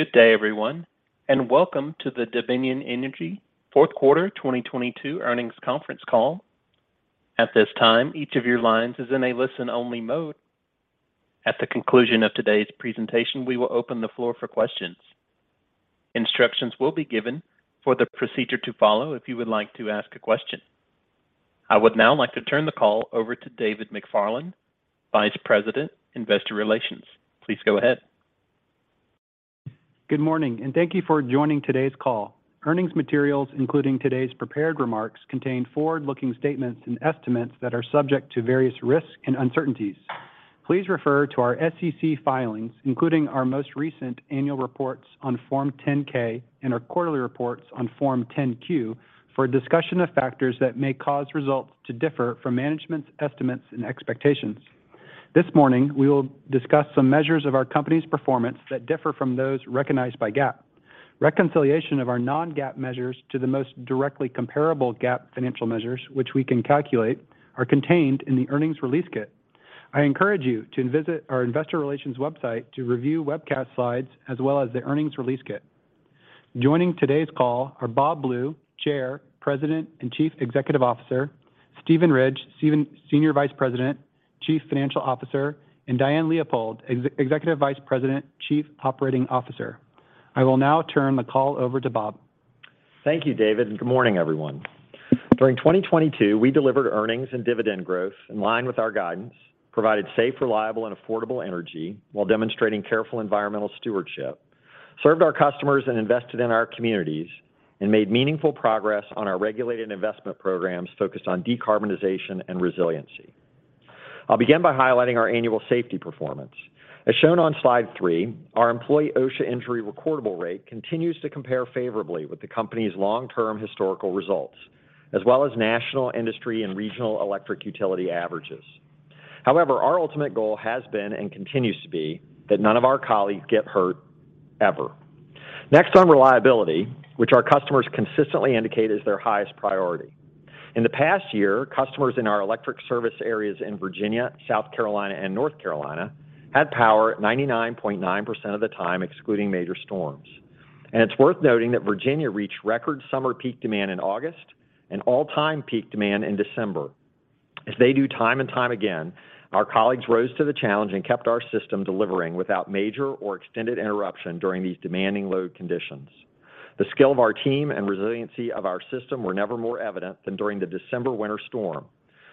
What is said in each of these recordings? Good day, everyone, and welcome to the Dominion Energy Fourth Quarter 2022 Earnings Conference Call. At this time, each of your lines is in a listen-only mode. At the conclusion of today's presentation, we will open the floor for questions. Instructions will be given for the procedure to follow if you would like to ask a question. I would now like to turn the call over to David McFarland, Vice President, Investor Relations. Please go ahead. Good morning. Thank you for joining today's call. Earnings materials, including today's prepared remarks, contain forward-looking statements and estimates that are subject to various risks and uncertainties. Please refer to our SEC filings, including our most recent annual reports on Form 10-K and our quarterly reports on Form 10-Q, for a discussion of factors that may cause results to differ from management's estimates and expectations. This morning, we will discuss some measures of our company's performance that differ from those recognized by GAAP. Reconciliation of our non-GAAP measures to the most directly comparable GAAP financial measures, which we can calculate, are contained in the earnings release kit. I encourage you to visit our investor relations website to review webcast slides as well as the earnings release kit. Joining today's call are Bob Blue, Chair, President, and Chief Executive Officer, Steven Ridge, Senior Vice President, Chief Financial Officer, and Diane Leopold, Executive Vice President, Chief Operating Officer. I will now turn the call over to Bob. Thank you, David. Good morning, everyone. During 2022, we delivered earnings and dividend growth in line with our guidance, provided safe, reliable and affordable energy while demonstrating careful environmental stewardship, served our customers and invested in our communities, and made meaningful progress on our regulated investment programs focused on decarbonization and resiliency. I'll begin by highlighting our annual safety performance. As shown on Slide three, our employee OSHA injury recordable rate continues to compare favorably with the company's long-term historical results, as well as national industry and regional electric utility averages. Our ultimate goal has been and continues to be that none of our colleagues get hurt, ever. Next on reliability, which our customers consistently indicate is their highest priority. In the past year, customers in our electric service areas in Virginia, South Carolina, and North Carolina had power 99.9% of the time, excluding major storms. It's worth noting that Virginia reached record summer peak demand in August and all-time peak demand in December. As they do time and time again, our colleagues rose to the challenge and kept our system delivering without major or extended interruption during these demanding load conditions. The skill of our team and resiliency of our system were never more evident than during the December winter storm,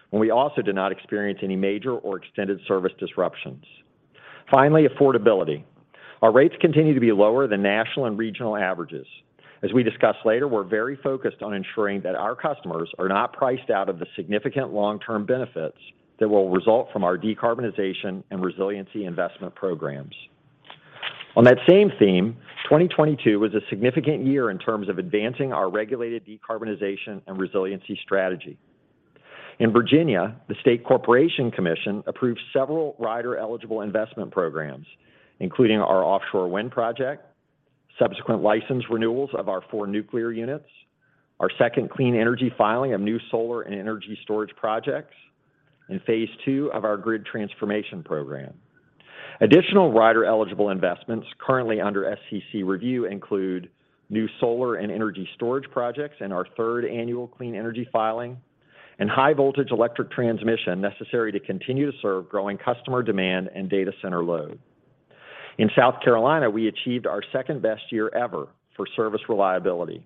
when we also did not experience any major or extended service disruptions. Finally, affordability. Our rates continue to be lower than national and regional averages. As we discuss later, we're very focused on ensuring that our customers are not priced out of the significant long-term benefits that will result from our decarbonization and resiliency investment programs. On that same theme, 2022 was a significant year in terms of advancing our regulated decarbonization and resiliency strategy. In Virginia, the State Corporation Commission approved several rider-eligible investment programs, including our offshore wind project, subsequent license renewals of our four nuclear units, our second clean energy filing of new solar and energy storage projects, and phase two of our grid transformation program. Additional rider-eligible investments currently under SEC review include new solar and energy storage projects in our third annual clean energy filing and high voltage electric transmission necessary to continue to serve growing customer demand and data center load. In South Carolina, we achieved our second-best year ever for service reliability.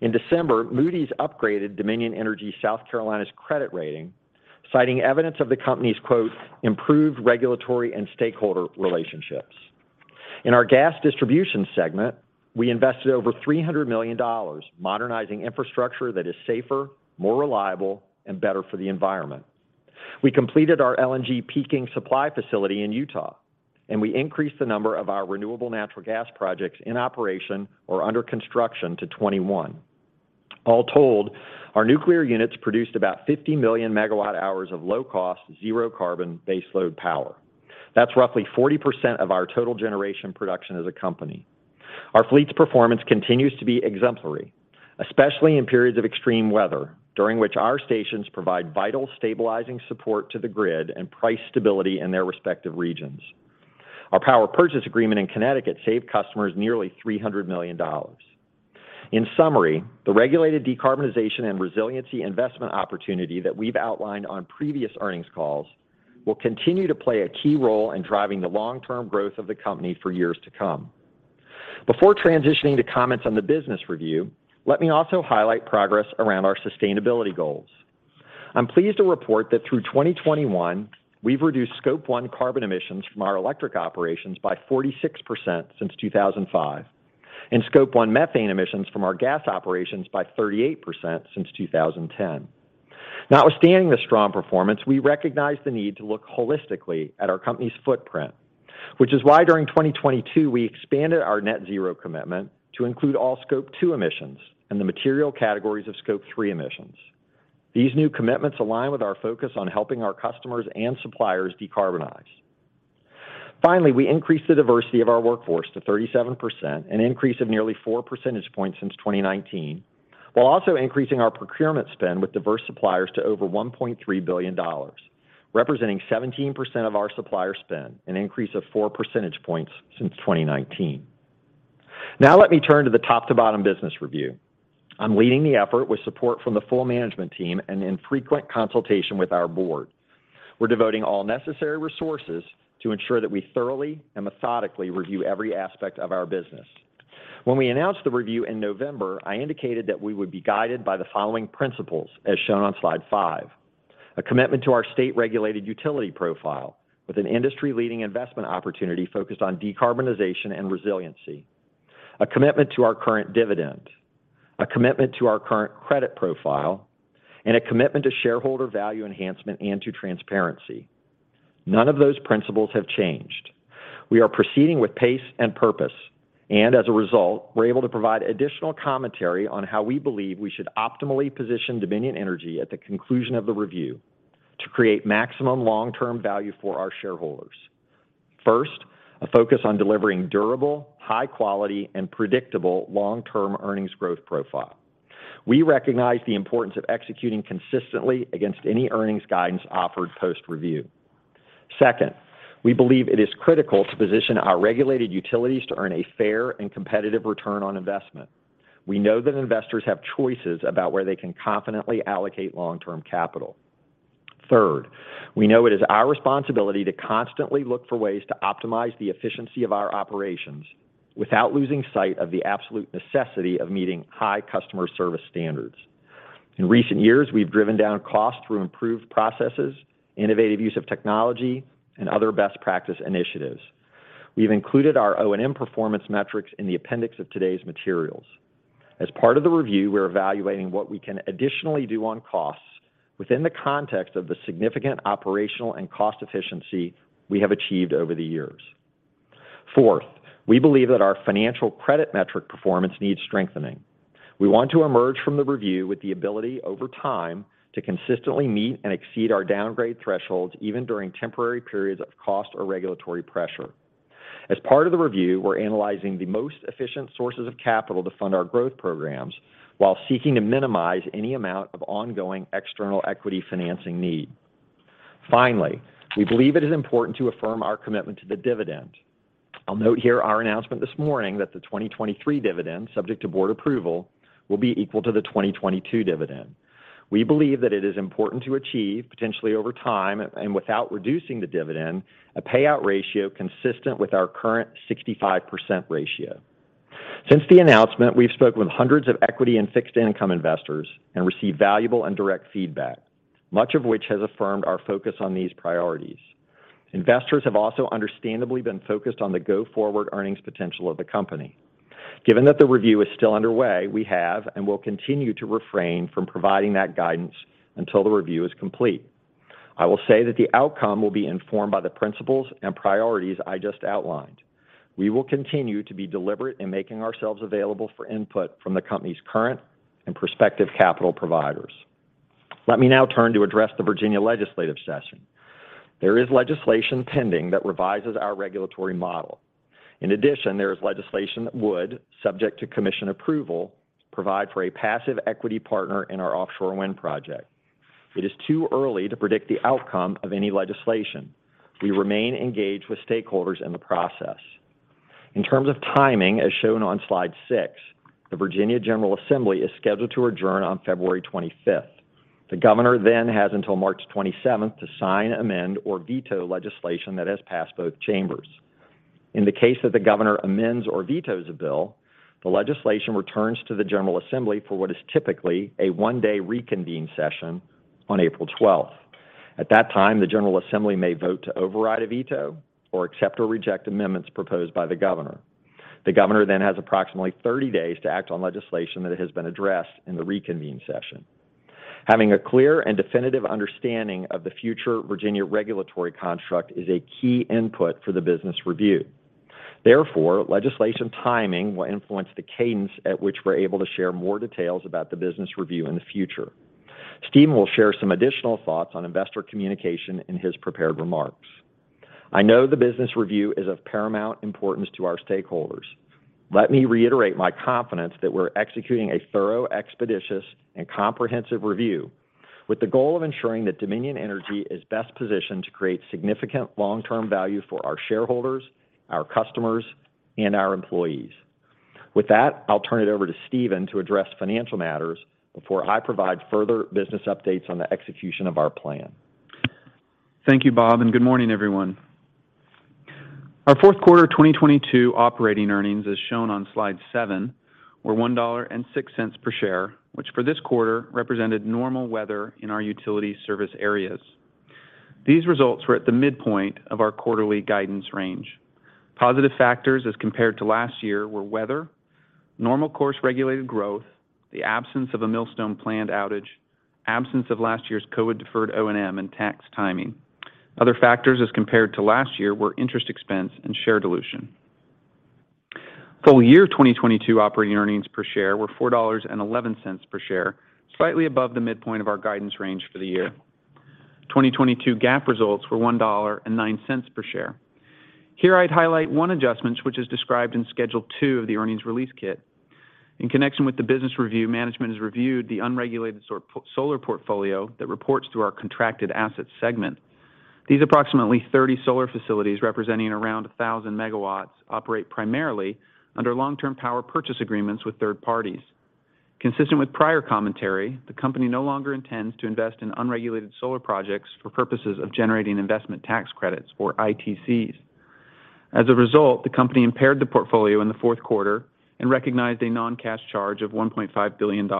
In December, Moody's upgraded Dominion Energy South Carolina's credit rating, citing evidence of the company's, quote, "improved regulatory and stakeholder relationships." In our gas distribution segment, we invested over $300 million modernizing infrastructure that is safer, more reliable, and better for the environment. We completed our LNG peaking supply facility in Utah, and we increased the number of our renewable natural gas projects in operation or under construction to 2021. All told, our nuclear units produced about 50 million megawatt hours of low-cost, zero-carbon baseload power. That's roughly 40% of our total generation production as a company. Our fleet's performance continues to be exemplary, especially in periods of extreme weather, during which our stations provide vital stabilizing support to the grid and price stability in their respective regions. Our power purchase agreement in Connecticut saved customers nearly $300 million. In summary, the regulated decarbonization and resiliency investment opportunity that we've outlined on previous earnings calls will continue to play a key role in driving the long-term growth of the company for years to come. Before transitioning to comments on the business review, let me also highlight progress around our sustainability goals. I'm pleased to report that through 2021, we've reduced scope one carbon emissions from our electric operations by 46% since 2005, and scope one methane emissions from our gas operations by 38% since 2010. Notwithstanding the strong performance, we recognize the need to look holistically at our company's footprint, which is why during 2022 we expanded our net zero commitment to include all scope two emissions and the material categories of scope three emissions. These new commitments align with our focus on helping our customers and suppliers decarbonize. Finally, we increased the diversity of our workforce to 37%, an increase of nearly 4 percentage points since 2019. Also increasing our procurement spend with diverse suppliers to over $1.3 billion, representing 17% of our supplier spend, an increase of 4 percentage points since 2019. Let me turn to the top-to-bottom business review. I'm leading the effort with support from the full management team and in frequent consultation with our board. We're devoting all necessary resources to ensure that we thoroughly and methodically review every aspect of our business. When we announced the review in November, I indicated that we would be guided by the following principles as shown on Slide five. A commitment to our state-regulated utility profile with an industry-leading investment opportunity focused on decarbonization and resiliency. A commitment to our current dividend, a commitment to our current credit profile, and a commitment to shareholder value enhancement and to transparency. None of those principles have changed. We are proceeding with pace and purpose, and as a result, we're able to provide additional commentary on how we believe we should optimally position Dominion Energy at the conclusion of the review to create maximum long-term value for our shareholders. First, a focus on delivering durable, high quality, and predictable long-term earnings growth profile. We recognize the importance of executing consistently against any earnings guidance offered post-review. Second, we believe it is critical to position our regulated utilities to earn a fair and competitive return on investment. We know that investors have choices about where they can confidently allocate long-term capital. Third, we know it is our responsibility to constantly look for ways to optimize the efficiency of our operations without losing sight of the absolute necessity of meeting high customer service standards. In recent years, we've driven down costs through improved processes, innovative use of technology, and other best practice initiatives. We've included our O&M performance metrics in the appendix of today's materials. As part of the review, we're evaluating what we can additionally do on costs within the context of the significant operational and cost efficiency we have achieved over the years. Fourth, we believe that our financial credit metric performance needs strengthening. We want to emerge from the review with the ability over time to consistently meet and exceed our downgrade thresholds even during temporary periods of cost or regulatory pressure. As part of the review, we're analyzing the most efficient sources of capital to fund our growth programs while seeking to minimize any amount of ongoing external equity financing need. Finally, we believe it is important to affirm our commitment to the dividend. I'll note here our announcement this morning that the 2023 dividend, subject to board approval, will be equal to the 2022 dividend. We believe that it is important to achieve, potentially over time and without reducing the dividend, a payout ratio consistent with our current 65% ratio. Since the announcement, we've spoken with hundreds of equity and fixed income investors and received valuable and direct feedback, much of which has affirmed our focus on these priorities. Investors have also understandably been focused on the go-forward earnings potential of the company. Given that the review is still underway, we have and will continue to refrain from providing that guidance until the review is complete. I will say that the outcome will be informed by the principles and priorities I just outlined. We will continue to be deliberate in making ourselves available for input from the company's current and prospective capital providers. Let me now turn to address the Virginia legislative session. There is legislation pending that revises our regulatory model. In addition, there is legislation that would, subject to commission approval, provide for a passive equity partner in our offshore wind project. It is too early to predict the outcome of any legislation. We remain engaged with stakeholders in the process. In terms of timing, as shown on Slide six, the Virginia General Assembly is scheduled to adjourn on February 25th. The governor has until March 27th to sign, amend, or veto legislation that has passed both chambers. In the case that the governor amends or vetoes a bill, the legislation returns to the General Assembly for what is typically a one-day reconvene session on April 12th. At that time, the General Assembly may vote to override a veto or accept or reject amendments proposed by the governor. The governor has approximately 30 days to act on legislation that has been addressed in the reconvene session. Having a clear and definitive understanding of the future Virginia regulatory construct is a key input for the business review. Therefore, legislation timing will influence the cadence at which we're able to share more details about the business review in the future. Steven will share some additional thoughts on investor communication in his prepared remarks. I know the business review is of paramount importance to our stakeholders. Let me reiterate my confidence that we're executing a thorough, expeditious, and comprehensive review with the goal of ensuring that Dominion Energy is best positioned to create significant long-term value for our shareholders, our customers, and our employees. With that, I'll turn it over to Steven to address financial matters before I provide further business updates on the execution of our plan. Thank you, Bob. Good morning, everyone. Our fourth quarter 2022 operating earnings, as shown on Slide seven, were $1.06 per share, which for this quarter represented normal weather in our utility service areas. These results were at the midpoint of our quarterly guidance range. Positive factors as compared to last year were weather, normal course regulated growth, the absence of a Millstone planned outage, absence of last year's Covid deferred O&M, and tax timing. Other factors as compared to last year were interest expense and share dilution. Full year 2022 operating earnings per share were $4.11 per share, slightly above the midpoint of our guidance range for the year. 2022 GAAP results were $1.09 per share. Here I'd highlight one adjustments, which is described in Schedule two of the earnings release kit. In connection with the business review, management has reviewed the unregulated solar portfolio that reports to our contracted assets segment. These approximately 30 solar facilities representing around 1,000 MW operate primarily under long-term power purchase agreements with third parties. Consistent with prior commentary, the company no longer intends to invest in unregulated solar projects for purposes of generating investment tax credits or ITCs. As a result, the company impaired the portfolio in the fourth quarter and recognized a non-cash charge of $1.5 billion.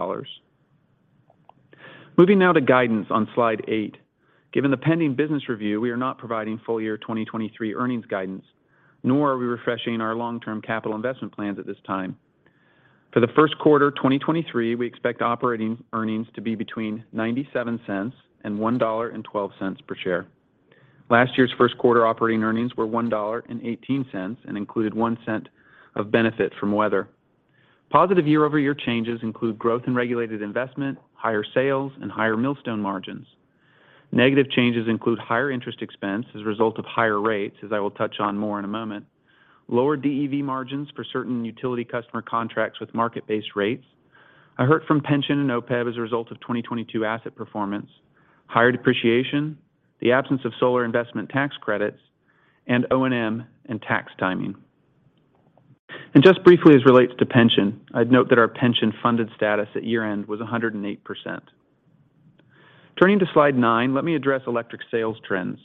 Moving now to guidance on Slide eight. Given the pending business review, we are not providing full year 2023 earnings guidance, nor are we refreshing our long-term capital investment plans at this time. For the first quarter 2023, we expect operating earnings to be between $0.97 and $1.12 per share. Last year's first quarter operating earnings were $1.18 and included $0.01 of benefit from weather. Positive year-over-year changes include growth in regulated investment, higher sales, and higher Millstone margins. Negative changes include higher interest expense as a result of higher rates, as I will touch on more in a moment. Lower DEV margins for certain utility customer contracts with market-based rates. I heard from pension and OPEB as a result of 2022 asset performance, higher depreciation, the absence of solar investment tax credits, and O&M and tax timing. Just briefly, as relates to pension, I'd note that our pension funded status at year-end was 108%. Turning to Slide nine, let me address electric sales trends.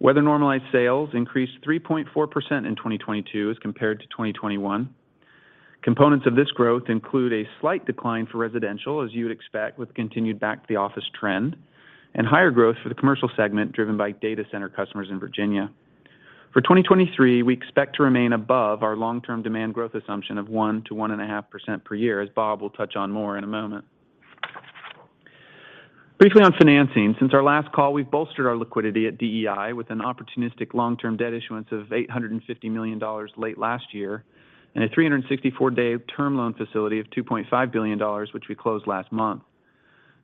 Weather normalized sales increased 3.4% in 2022 as compared to 2021. Components of this growth include a slight decline for residential, as you would expect, with continued back to the office trend, and higher growth for the commercial segment driven by data center customers in Virginia. For 2023, we expect to remain above our long-term demand growth assumption of 1%-1.5% per year, as Bob will touch on more in a moment. Briefly on financing. Since our last call, we've bolstered our liquidity at DEI with an opportunistic long-term debt issuance of $850 million late last year and a 364-day term loan facility of $2.5 billion, which we closed last month.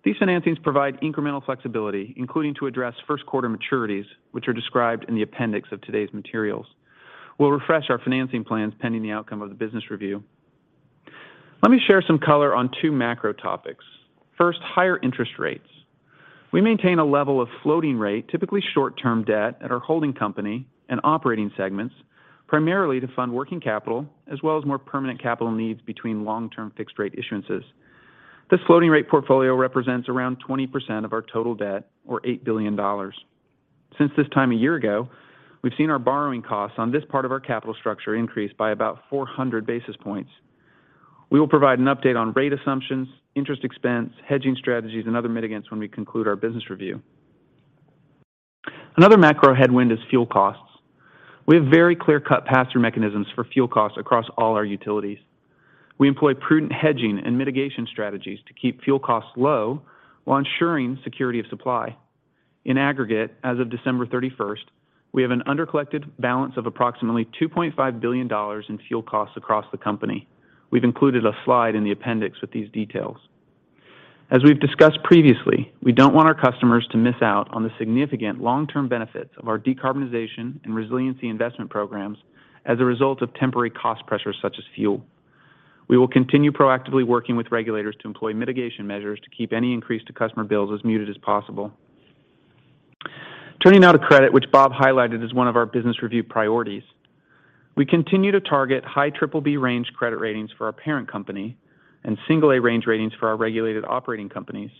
These financings provide incremental flexibility, including to address first quarter maturities, which are described in the appendix of today's materials. We'll refresh our financing plans pending the outcome of the business review. Let me share some color on two macro topics. First, higher interest rates. We maintain a level of floating rate, typically short-term debt at our holding company and operating segments, primarily to fund working capital as well as more permanent capital needs between long-term fixed rate issuances. This floating rate portfolio represents around 20% of our total debt or $8 billion. Since this time a year ago, we've seen our borrowing costs on this part of our capital structure increase by about 400 basis points. We will provide an update on rate assumptions, interest expense, hedging strategies, and other mitigants when we conclude our business review. Another macro headwind is fuel costs. We have very clear-cut pass-through mechanisms for fuel costs across all our utilities. We employ prudent hedging and mitigation strategies to keep fuel costs low while ensuring security of supply. In aggregate, as of December 31st, we have an under-collected balance of approximately $2.5 billion in fuel costs across the company. We've included a slide in the appendix with these details. As we've discussed previously, we don't want our customers to miss out on the significant long-term benefits of our decarbonization and resiliency investment programs as a result of temporary cost pressures such as fuel. We will continue proactively working with regulators to employ mitigation measures to keep any increase to customer bills as muted as possible. Turning now to credit, which Bob highlighted as one of our business review priorities. We continue to target high Triple-B range credit ratings for our parent company and Single-A range ratings for our regulated operating companies.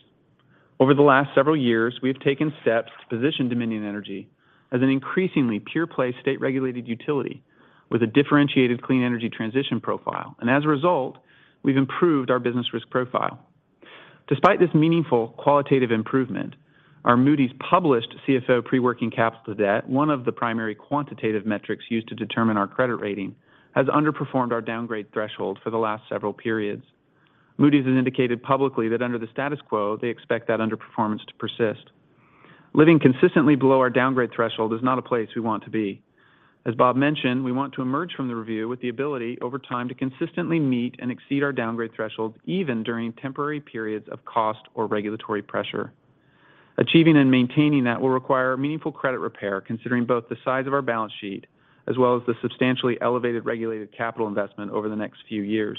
Over the last several years, we have taken steps to position Dominion Energy as an increasingly pure play state-regulated utility with a differentiated clean energy transition profile. As a result, we've improved our business risk profile. Despite this meaningful qualitative improvement, our Moody's published CFO pre-working capital debt, one of the primary quantitative metrics used to determine our credit rating, has underperformed our downgrade threshold for the last several periods. Moody's has indicated publicly that under the status quo, they expect that underperformance to persist. Living consistently below our downgrade threshold is not a place we want to be. As Bob mentioned, we want to emerge from the review with the ability over time to consistently meet and exceed our downgrade thresholds, even during temporary periods of cost or regulatory pressure. Achieving and maintaining that will require meaningful credit repair, considering both the size of our balance sheet as well as the substantially elevated regulated capital investment over the next few years.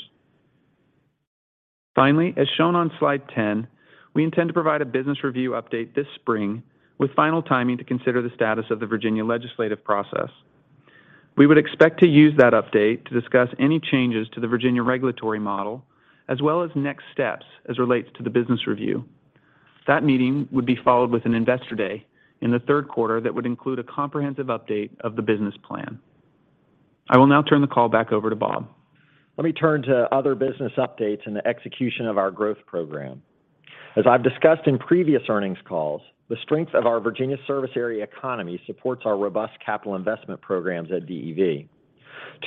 Finally, as shown on Slide 10, we intend to provide a business review update this spring with final timing to consider the status of the Virginia legislative process. We would expect to use that update to discuss any changes to the Virginia regulatory model, as well as next steps as relates to the business review. That meeting would be followed with an Investor Day in the third quarter that would include a comprehensive update of the business plan. I will now turn the call back over to Bob. Let me turn to other business updates and the execution of our growth program. As I've discussed in previous earnings calls, the strength of our Virginia service area economy supports our robust capital investment programs at DEV.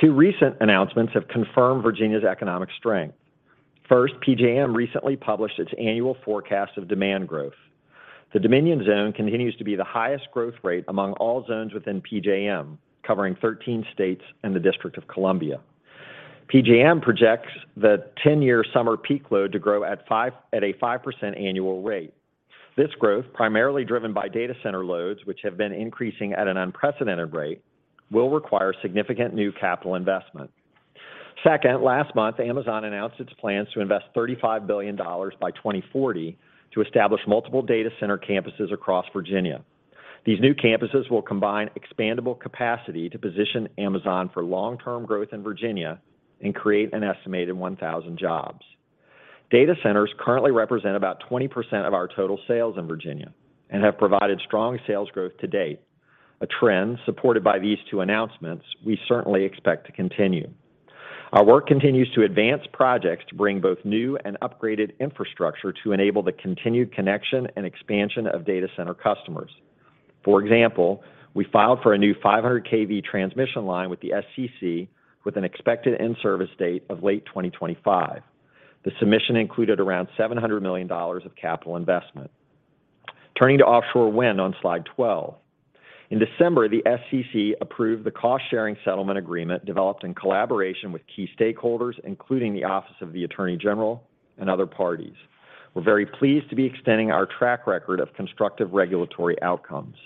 Two recent announcements have confirmed Virginia's economic strength. First, PJM recently published its annual forecast of demand growth. The Dominion zone continues to be the highest growth rate among all zones within PJM, covering 13 states and the District of Columbia. PJM projects the 10 year summer peak load to grow at a 5% annual rate. This growth, primarily driven by data center loads, which have been increasing at an unprecedented rate, will require significant new capital investment. Second, last month, Amazon announced its plans to invest $35 billion by 2040 to establish multiple data center campuses across Virginia. These new campuses will combine expandable capacity to position Amazon for long-term growth in Virginia and create an estimated 1,000 jobs. Data centers currently represent about 20% of our total sales in Virginia and have provided strong sales growth to date, a trend supported by these two announcements we certainly expect to continue. Our work continues to advance projects to bring both new and upgraded infrastructure to enable the continued connection and expansion of data center customers. For example, we filed for a new 500 kV transmission line with the SEC with an expected in-service date of late 2025. The submission included around $700 million of capital investment. Turning to offshore wind on Slide 12. In December, the SEC approved the cost-sharing settlement agreement developed in collaboration with key stakeholders, including the Office of the Attorney General and other parties. We're very pleased to be extending our track record of constructive regulatory outcomes.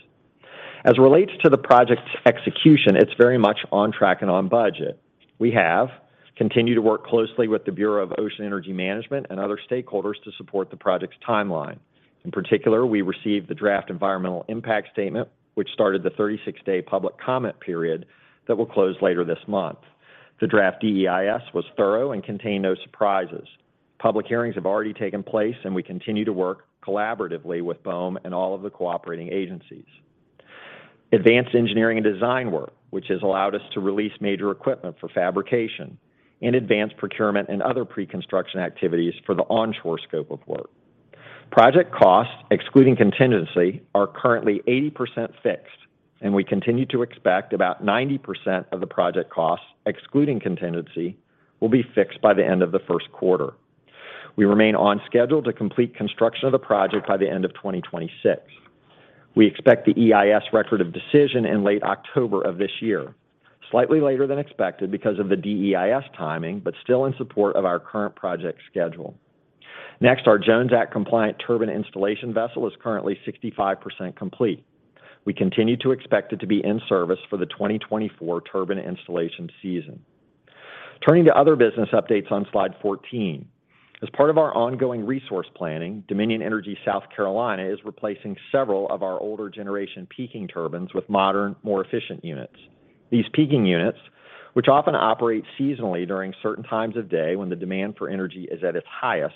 As it relates to the project's execution, it's very much on track and on budget. We have continued to work closely with the Bureau of Ocean Energy Management and other stakeholders to support the project's timeline. In particular, we received the draft environmental impact statement, which started the 36 day public comment period that will close later this month. The draft DEIS was thorough and contained no surprises. Public hearings have already taken place, and we continue to work collaboratively with BOEM and all of the cooperating agencies. Advanced engineering and design work, which has allowed us to release major equipment for fabrication and advanced procurement and other pre-construction activities for the onshore scope of work. Project costs, excluding contingency, are currently 80% fixed, and we continue to expect about 90% of the project costs, excluding contingency, will be fixed by the end of the first quarter. We remain on schedule to complete construction of the project by the end of 2026. We expect the EIS record of decision in late October of this year, slightly later than expected because of the DEIS timing, but still in support of our current project schedule. Our Jones Act compliant turbine installation vessel is currently 65% complete. We continue to expect it to be in service for the 2024 turbine installation season. Turning to other business updates on Slide 14. As part of our ongoing resource planning, Dominion Energy South Carolina is replacing several of our older generation peaking turbines with modern, more efficient units. These peaking units, which often operate seasonally during certain times of day when the demand for energy is at its highest,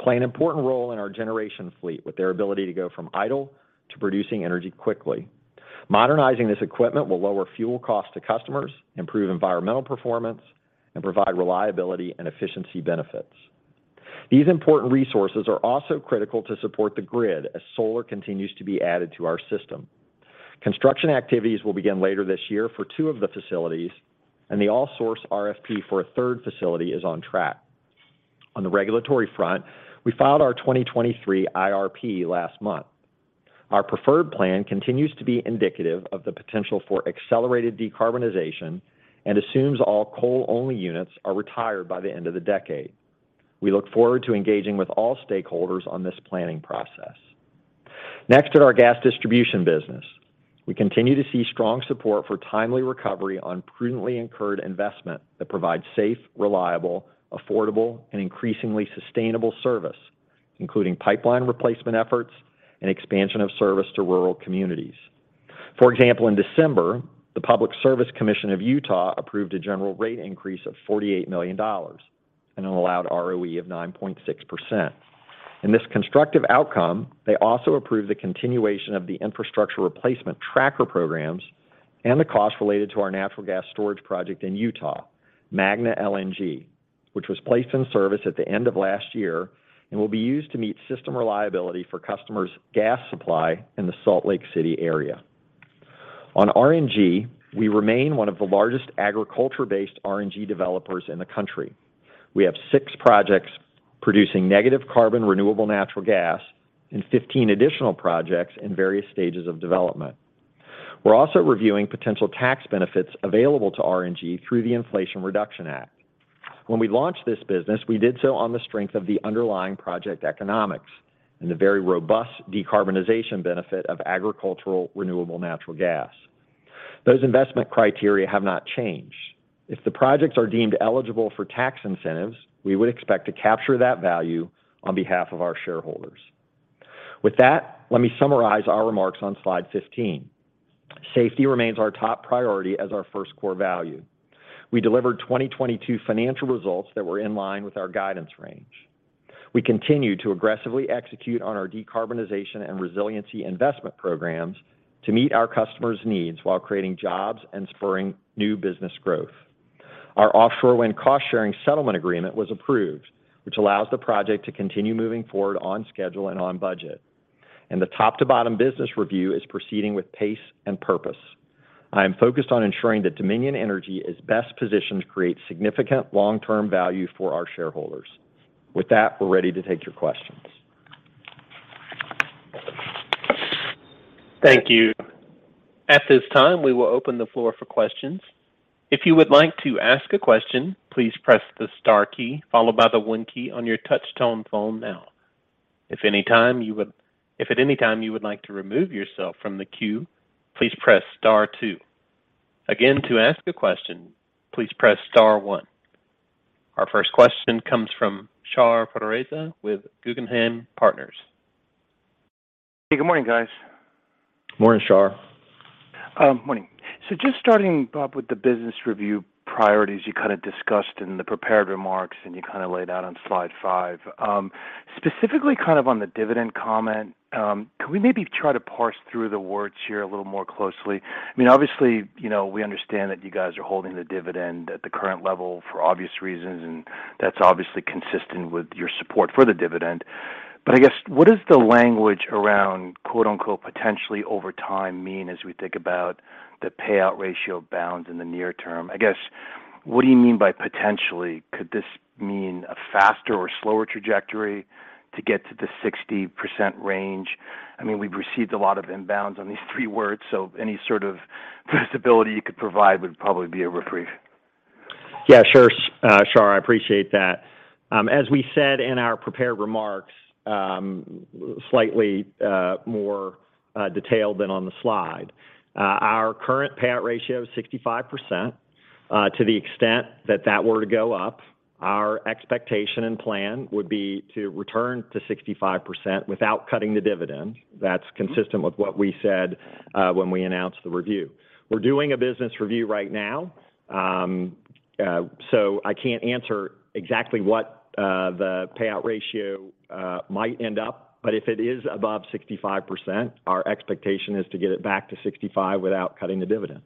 play an important role in our generation fleet with their ability to go from idle to producing energy quickly. Modernizing this equipment will lower fuel costs to customers, improve environmental performance, and provide reliability and efficiency benefits. These important resources are also critical to support the grid as solar continues to be added to our system. Construction activities will begin later this year for two of the facilities, and the all source RFP for a third facility is on track. On the regulatory front, we filed our 2023 IRP last month. Our preferred plan continues to be indicative of the potential for accelerated decarbonization and assumes all coal-only units are retired by the end of the decade. We look forward to engaging with all stakeholders on this planning process. Next, in our gas distribution business. We continue to see strong support for timely recovery on prudently incurred investment that provides safe, reliable, affordable, and increasingly sustainable service, including pipeline replacement efforts and expansion of service to rural communities. For example, in December, the Public Service Commission of Utah approved a general rate increase of $48 million and an allowed ROE of 9.6%. In this constructive outcome, they also approved the continuation of the infrastructure replacement tracker programs and the cost related to our natural gas storage project in Utah, Magna LNG, which was placed in service at the end of last year and will be used to meet system reliability for customers' gas supply in the Salt Lake City area. On RNG, we remain one of the largest agriculture-based RNG developers in the country. We have six projects producing negative carbon renewable natural gas and 15 additional projects in various stages of development. We're also reviewing potential tax benefits available to RNG through the Inflation Reduction Act. When we launched this business, we did so on the strength of the underlying project economics and the very robust decarbonization benefit of agricultural renewable natural gas. Those investment criteria have not changed. If the projects are deemed eligible for tax incentives, we would expect to capture that value on behalf of our shareholders. With that, let me summarize our remarks on Slide 15. Safety remains our top priority as our first core value. We delivered 2022 financial results that were in line with our guidance range. We continue to aggressively execute on our decarbonization and resiliency investment programs to meet our customers' needs while creating jobs and spurring new business growth. Our offshore wind cost-sharing settlement agreement was approved, which allows the project to continue moving forward on schedule and on budget. The top-to-bottom business review is proceeding with pace and purpose. I am focused on ensuring that Dominion Energy is best positioned to create significant long-term value for our shareholders. With that, we're ready to take your questions. Thank you. At this time, we will open the floor for questions. If you would like to ask a question, please press the star key followed by the one key on your touch tone phone now. If at any time you would like to remove yourself from the queue, please press star two. Again, to ask a question, please press star one. Our first question comes from Shar Pourreza with Guggenheim Partners. Hey, good morning, guys. Morning, Shar. Morning. Just starting, Bob, with the business review priorities you kinda discussed in the prepared remarks and you kinda laid out on Slide five, specifically kind of on the dividend comment, could we maybe try to parse through the words here a little more closely? I mean, obviously, you know, we understand that you guys are holding the dividend at the current level for obvious reasons, and that's obviously consistent with your support for the dividend. I guess, what does the language around, quote-unquote, "potentially over time" mean as we think about the payout ratio bounds in the near term? I guess, what do you mean by potentially? Could this mean a faster or slower trajectory to get to the 60% range? I mean, we've received a lot of inbounds on these three words, so any sort of visibility you could provide would probably be a reprieve. Yeah, sure, Shar. I appreciate that. As we said in our prepared remarks, slightly more detailed than on the slide, our current payout ratio is 65%. To the extent that that were to go up, our expectation and plan would be to return to 65% without cutting the dividend. That's consistent with what we said when we announced the review. We're doing a business review right now. I can't answer exactly what the payout ratio might end up, but if it is above 65%, our expectation is to get it back to 65% without cutting the dividend.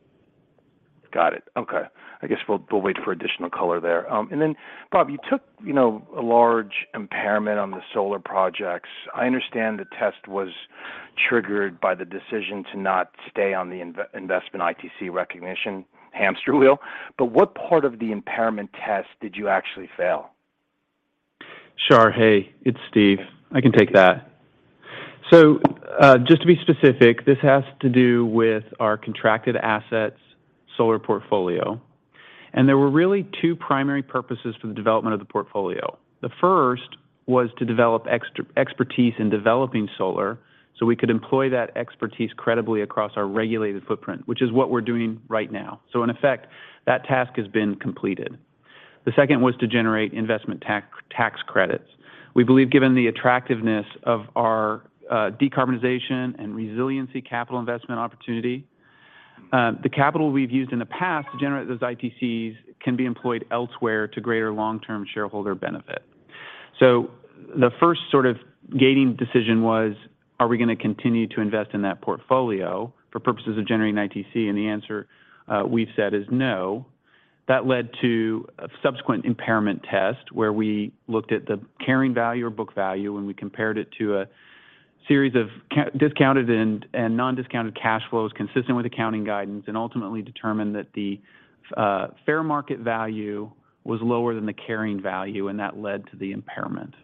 Got it. Okay. I guess we'll wait for additional color there. Then Bob, you took, you know, a large impairment on the solar projects. I understand the test was triggered by the decision to not stay on the investment ITC recognition hamster wheel, but what part of the impairment test did you actually fail? Shar, hey, it's Steve. I can take that. Just to be specific, this has to do with our contracted assets solar portfolio, and there were really two primary purposes for the development of the portfolio. The first was to develop extra expertise in developing solar, so we could employ that expertise credibly across our regulated footprint, which is what we're doing right now. In effect, that task has been completed. The second was to generate investment tax credits. We believe, given the attractiveness of our decarbonization and resiliency capital investment opportunity, the capital we've used in the past to generate those ITCs can be employed elsewhere to greater long-term shareholder benefit. The first sort of gating decision was, are we gonna continue to invest in that portfolio for purposes of generating ITC? The answer we've said is no. That led to a subsequent impairment test where we looked at the carrying value or book value, and we compared it to a series of discounted and non-discounted cash flows consistent with accounting guidance, and ultimately determined that the fair market value was lower than the carrying value, and that led to the impairment.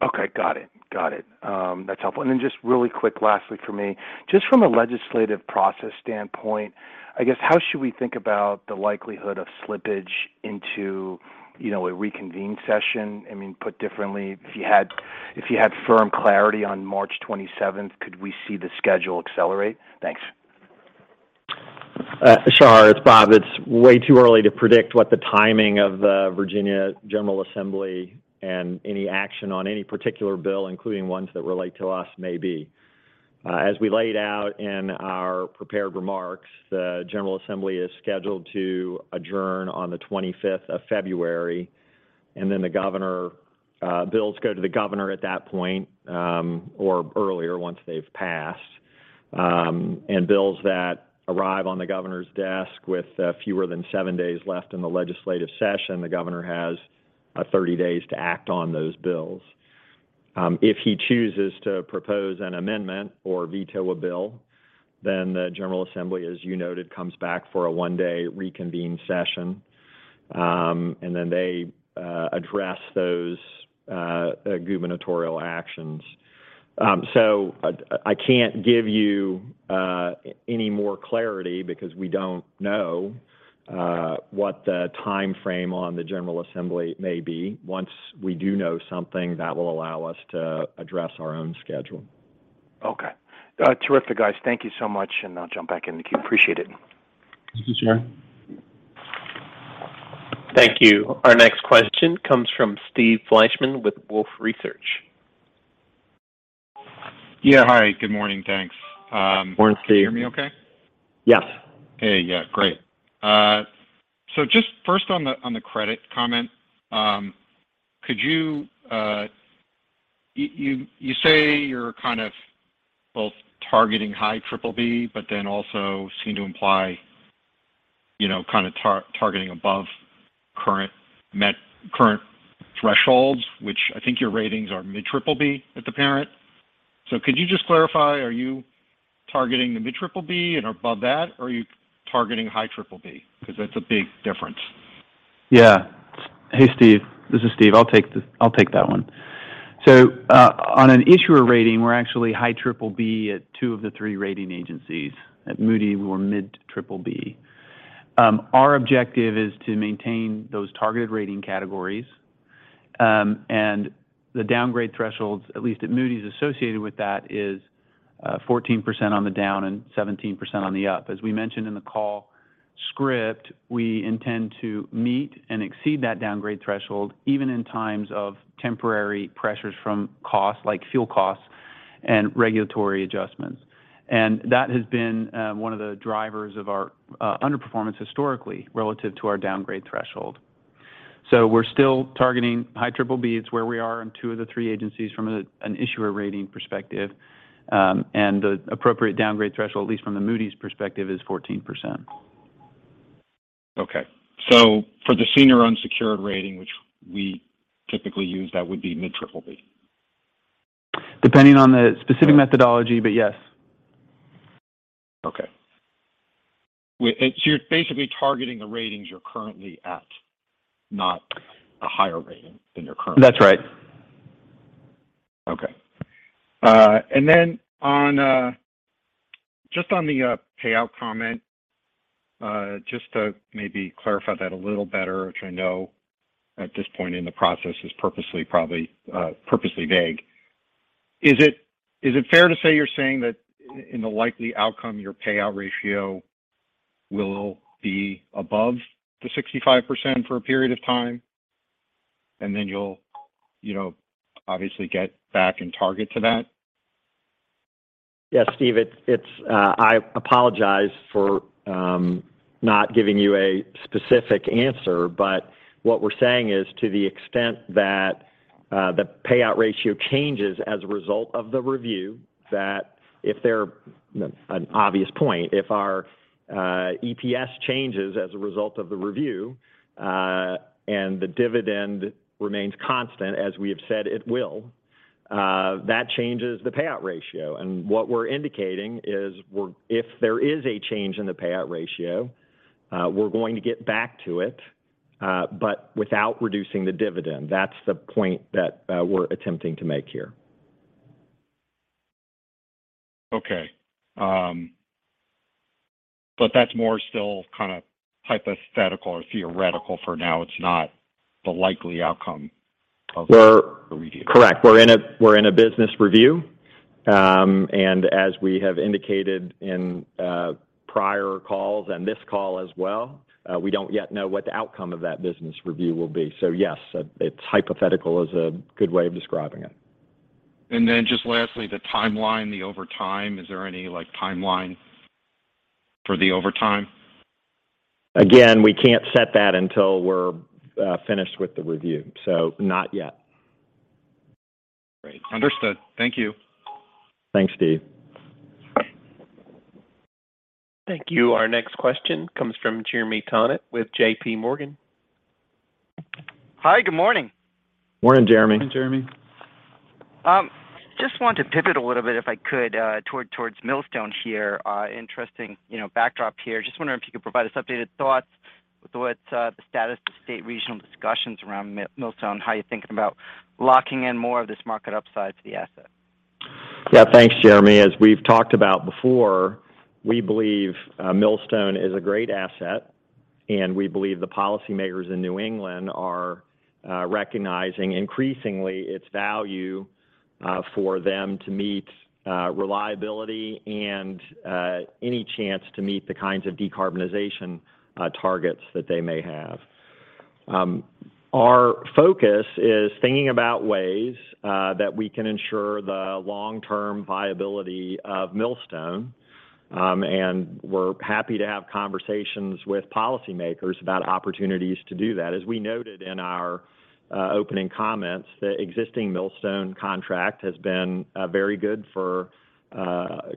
Okay. Got it. Got it. That's helpful. Just really quick, lastly for me, just from a legislative process standpoint, I guess, how should we think about the likelihood of slippage into, you know, a reconvened session? I mean, put differently, if you had firm clarity on March 27th, could we see the schedule accelerate? Thanks. Shar, it's Bob. It's way too early to predict what the timing of the Virginia General Assembly and any action on any particular bill, including ones that relate to us, may be. As we laid out in our prepared remarks, the General Assembly is scheduled to adjourn on the 25th of February, and then the governor, bills go to the governor at that point, or earlier once they've passed. Bills that arrive on the governor's desk with fewer than seven days left in the legislative session, the governor has 30 days to act on those bills. If he chooses to propose an amendment or veto a bill, then the General Assembly, as you noted, comes back for a one-day reconvene session, and then they address those gubernatorial actions. I can't give you any more clarity because we don't know what the timeframe on the General Assembly may be. Once we do know something, that will allow us to address our own schedule. Okay. Terrific, guys. Thank you so much. I'll jump back in the queue. Appreciate it. Thank you, Shar. Thank you. Our next question comes from Steve Fleishman with Wolfe Research. Yeah. Hi. Good morning. Thanks. Morning, Steve. Can you hear me okay? Yes. Hey. Yeah. Great. Just first on the, on the credit comment, could you say you're kind of both targeting high Triple-B, but then also seem to imply, you know, targeting above current thresholds, which I think your ratings are mid Triple-B at the parent. Could you just clarify, are you targeting the mid Triple-B and above that, or are you targeting high Triple-B? Because that's a big difference. Hey, Steve, this is Steve. I'll take that one. On an issuer rating, we're actually high Triple-B at two of the three rating agencies. At Moody's, we're mid Triple-B. Our objective is to maintain those targeted rating categories, and the downgrade thresholds, at least at Moody's associated with that, is 14% on the down and 17% on the up. As we mentioned in the call script, we intend to meet and exceed that downgrade threshold even in times of temporary pressures from costs, like fuel costs and regulatory adjustments. That has been one of the drivers of our underperformance historically relative to our downgrade threshold. We're still targeting high Triple-B. It's where we are in two of the three agencies from an issuer rating perspective. The appropriate downgrade threshold, at least from the Moody's perspective, is 14%. For the senior unsecured rating, which we typically use, that would be mid Triple-B? Depending on the specific methodology, but yes. Okay. You're basically targeting the ratings you're currently at, not a higher rating than you're currently at? That's right. Okay. On, just on the, payout comment, just to maybe clarify that a little better, which I know at this point in the process is purposely, probably, purposely vague. Is it fair to say you're saying that in the likely outcome, your payout ratio will be above the 65% for a period of time, and then you'll, you know, obviously get back and target to that? Yeah, Steve. It's I apologize for not giving you a specific answer, but what we're saying is to the extent that the payout ratio changes as a result of the review, that if there, an obvious point, if our EPS changes as a result of the review, and the dividend remains constant, as we have said it will, that changes the payout ratio. What we're indicating is if there is a change in the payout ratio, we're going to get back to it, but without reducing the dividend. That's the point that we're attempting to make here. Okay. That's more still kind of hypothetical or theoretical for now. It's not the likely outcome of the review. Correct. We're in a, we're in a business review, as we have indicated in prior calls and this call as well, we don't yet know what the outcome of that business review will be. Yes, it's hypothetical is a good way of describing it. Just lastly, the timeline, the overtime, is there any, like, timeline for the overtime? We can't set that until we're finished with the review. Not yet. Great. Understood. Thank you. Thanks, Steve. Thank you. Our next question comes from Jeremy Tonet with JPMorgan. Hi. Good morning. Morning, Jeremy. Morning, Jeremy. Just wanted to pivot a little bit, if I could, towards Millstone here. Interesting, you know, backdrop here. Just wondering if you could provide us updated thoughts with what the status of state regional discussions around Millstone, how you're thinking about locking in more of this market upside for the asset. Yeah. Thanks, Jeremy. As we've talked about before, we believe Millstone is a great asset, and we believe the policymakers in New England are recognizing increasingly its value for them to meet reliability and any chance to meet the kinds of decarbonization targets that they may have. Our focus is thinking about ways that we can ensure the long-term viability of Millstone, and we're happy to have conversations with policymakers about opportunities to do that. As we noted in our opening comments, the existing Millstone contract has been very good for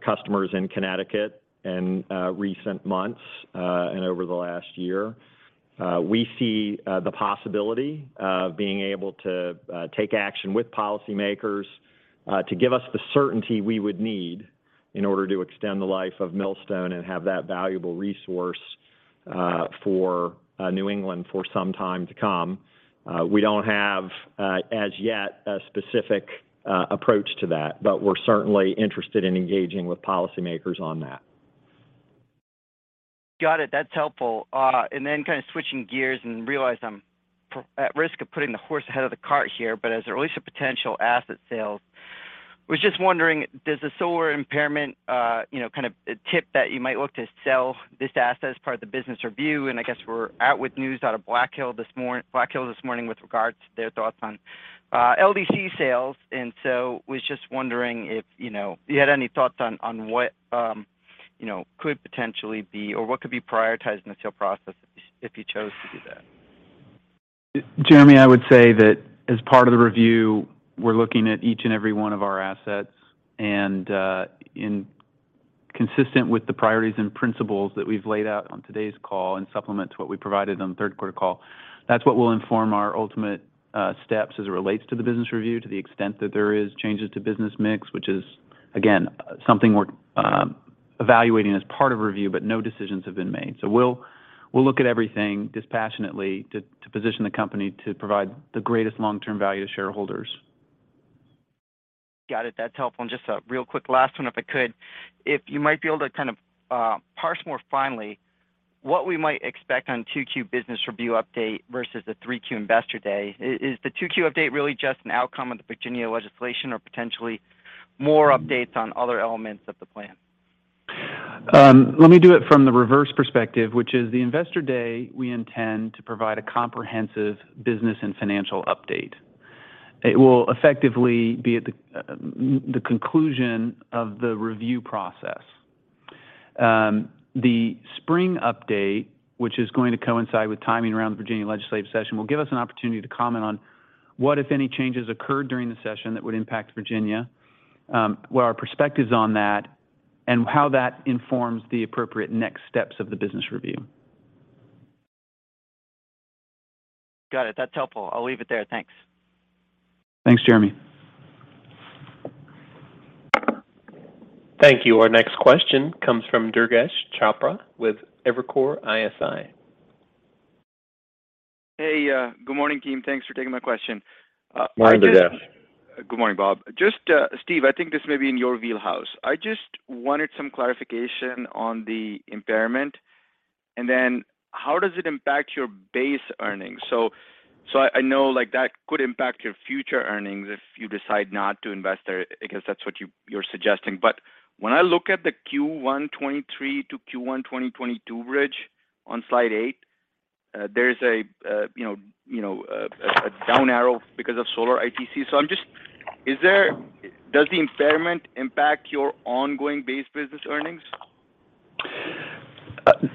customers in Connecticut in recent months and over the last year. We see the possibility of being able to take action with policymakers to give us the certainty we would need in order to extend the life of Millstone and have that valuable resource for New England for some time to come. We don't have as yet a specific approach to that, but we're certainly interested in engaging with policymakers on that. Got it. That's helpful. Kind of switching gears and realize I'm at risk of putting the horse ahead of the cart here, but as it relates to potential asset sales, was just wondering, does the solar impairment, you know, kind of tip that you might look to sell this asset as part of the business review? I guess we're out with news out of Blackhill this morning with regards to their thoughts on LDC sales. Was just wondering if, you know, you had any thoughts on what, you know, could potentially be or what could be prioritized in the sale process if you chose to do that. Jeremy, I would say that as part of the review, we're looking at each and every one of our assets. In consistent with the priorities and principles that we've laid out on today's call and supplement to what we provided on the third quarter call, that's what will inform our ultimate steps as it relates to the business review to the extent that there is changes to business mix, which is again, something we're. Evaluating as part of review, but no decisions have been made. We'll look at everything dispassionately to position the company to provide the greatest long-term value to shareholders. Got it. That's helpful. Just a real quick last one, if I could. If you might be able to kind of parse more finally what we might expect on 2Q business review update versus the 3Q Investor Day. Is the 2Q update really just an outcome of the Virginia legislation or potentially more updates on other elements of the plan? Let me do it from the reverse perspective, which is the Investor Day, we intend to provide a comprehensive business and financial update. It will effectively be at the conclusion of the review process. The spring update, which is going to coincide with timing around the Virginia legislative session, will give us an opportunity to comment on what, if any, changes occurred during the session that would impact Virginia, what are our perspectives on that, and how that informs the appropriate next steps of the business review. Got it. That's helpful. I'll leave it there. Thanks. Thanks, Jeremy. Thank you. Our next question comes from Durgesh Chopra with Evercore ISI. Hey. Good morning, team. Thanks for taking my question. Morning, Durgesh. Good morning, Bob. Just Steve, I think this may be in your wheelhouse. I just wanted some clarification on the impairment, and then how does it impact your base earnings? I know, like, that could impact your future earnings if you decide not to invest there because that's what you're suggesting. When I look at the Q1 2023 to Q1 2022 bridge on Slide eight, there is a down arrow because of solar ITC. I'm just. Does the impairment impact your ongoing base business earnings?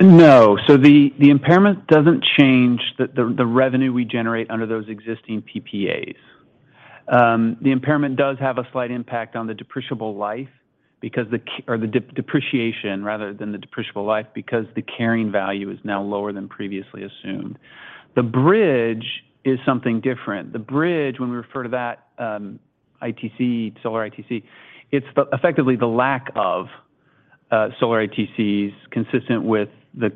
No. The impairment doesn't change the revenue we generate under those existing PPAs. The impairment does have a slight impact on the depreciation rather than the depreciable life because the carrying value is now lower than previously assumed. The bridge is something different. The bridge, when we refer to that ITC, solar ITC, it's effectively the lack of solar ITCs consistent with the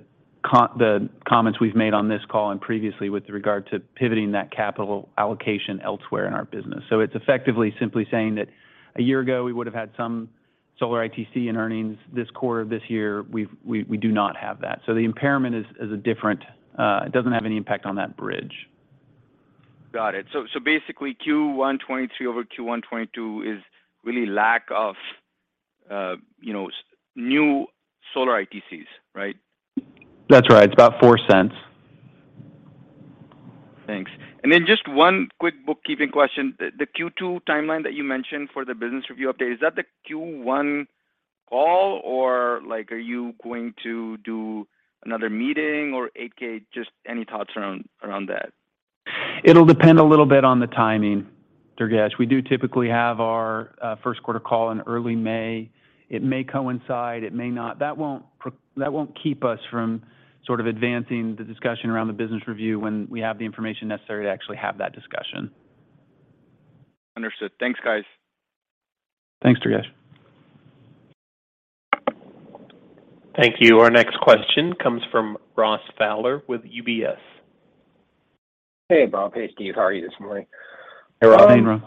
comments we've made on this call and previously with regard to pivoting that capital allocation elsewhere in our business. It's effectively simply saying that one year ago we would have had some solar ITC in earnings. This quarter, this year, we do not have that. The impairment is a different. It doesn't have any impact on that bridge. Got it. Basically Q1 2023 over Q1 2022 is really lack of, you know, new solar ITCs, right? That's right. It's about $0.04. Thanks. Just one quick bookkeeping question. The Q2 timeline that you mentioned for the business review update, is that the Q1 call or, like, are you going to do another meeting or 8-K? Just any thoughts around that? It'll depend a little bit on the timing, Durgesh. We do typically have our first quarter call in early May. It may coincide, it may not. That won't keep us from sort of advancing the discussion around the business review when we have the information necessary to actually have that discussion. Understood. Thanks, guys. Thanks, Durgesh. Thank you. Our next question comes from Ross Fowler with UBS. Hey, Bob. Hey, Steve. How are you this morning? Hey, Ross. Morning, Ross.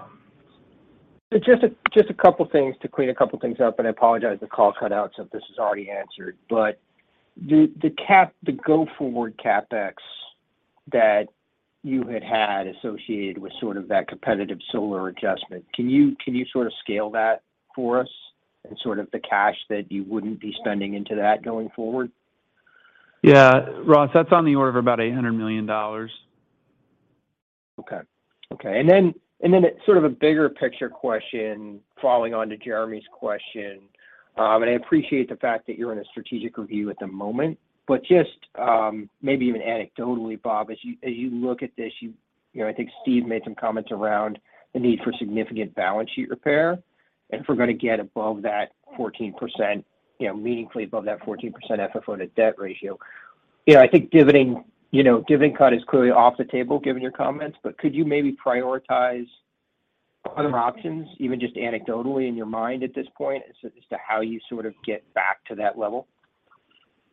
Just a couple things to clean a couple things up. I apologize if the call cut out, so this is already answered. The go forward CapEx that you had associated with sort of that competitive solar adjustment, can you sort of scale that for us and sort of the cash that you wouldn't be spending into that going forward? Yeah. Ross, that's on the order of about $800 million. Okay. Then it's sort of a bigger picture question following on to Jeremy's question. I appreciate the fact that you're in a strategic review at the moment. Just, maybe even anecdotally, Bob, as you look at this, you know, I think Steve made some comments around the need for significant balance sheet repair. If we're gonna get above that 14%, you know, meaningfully above that 14% FFO to debt ratio, I think dividending, dividend cut is clearly off the table given your comments. Could you maybe prioritize other options even just anecdotally in your mind at this point as to how you sort of get back to that level?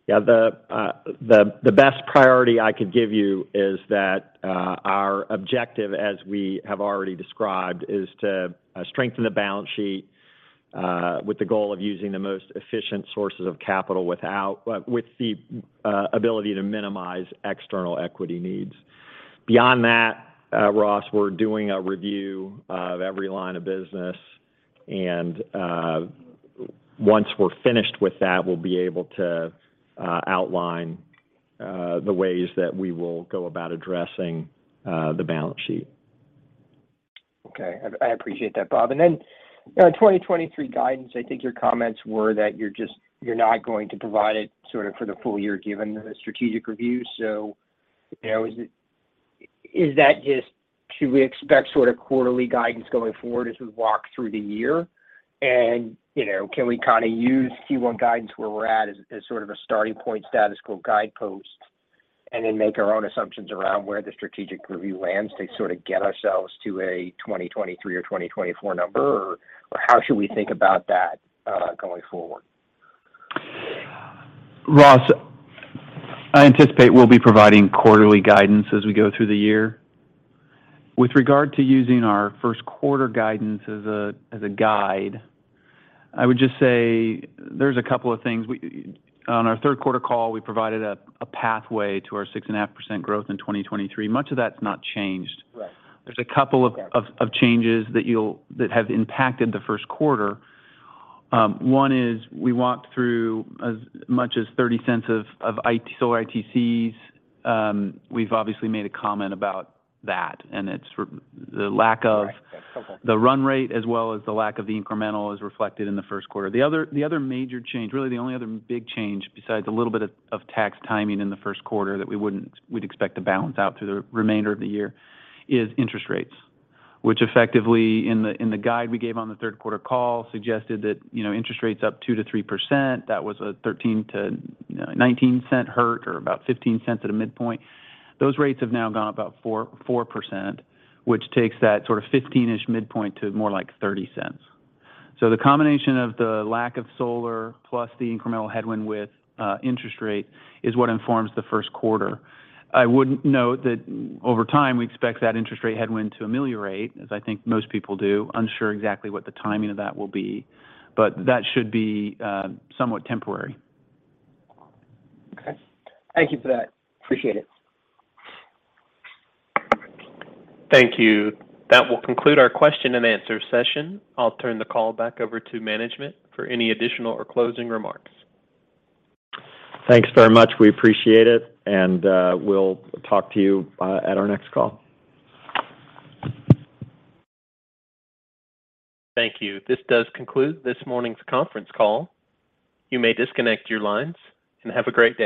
Yeah. The best priority I could give you is that our objective, as we have already described, is to strengthen the balance sheet with the goal of using the most efficient sources of capital with the ability to minimize external equity needs. Beyond that, Ross, we're doing a review of every line of business. Once we're finished with that, we'll be able to outline the ways that we will go about addressing the balance sheet. Okay. I appreciate that, Bob. On 2023 guidance, I think your comments were that you're not going to provide it sort of for the full year given the strategic review. You know, is that just... Should we expect sort of quarterly guidance going forward as we walk through the year? You know, can we kind of use Q1 guidance where we're at as sort of a starting point status quo guidepost? Then make our own assumptions around where the strategic review lands to sort of get ourselves to a 2023 or 2024 number, or how should we think about that, going forward? Ross, I anticipate we'll be providing quarterly guidance as we go through the year. With regard to using our first quarter guidance as a guide, I would just say there's a couple of things. On our third quarter call, we provided a pathway to our 6.5% growth in 2023. Much of that's not changed. Right. There's a couple. Okay... Of changes that have impacted the first quarter. One is we walked through as much as $0.30 of solar ITCs. We've obviously made a comment about that, and it's the lack of... Right. Okay, cool.... The run rate as well as the lack of the incremental is reflected in the first quarter. The other major change, really the only other big change besides a little bit of tax timing in the first quarter that we'd expect to balance out through the remainder of the year is interest rates, which effectively in the guide we gave on the third quarter call suggested that, you know, interest rates up 2%-3%. That was a $0.13 to, you know, $0.19 hurt or about $0.15 at a midpoint. Those rates have now gone about 4%, which takes that sort of $0.15-ish midpoint to more like $0.30. The combination of the lack of solar plus the incremental headwind with interest rate is what informs the first quarter. I would note that over time, we expect that interest rate headwind to ameliorate, as I think most people do. Unsure exactly what the timing of that will be, but that should be somewhat temporary. Okay. Thank you for that. Appreciate it. Thank you. That will conclude our question and answer session. I'll turn the call back over to management for any additional or closing remarks. Thanks very much. We appreciate it, and we'll talk to you at our next call. Thank you. This does conclude this morning's conference call. You may disconnect your lines. Have a great day.